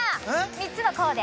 ３つのコーデ。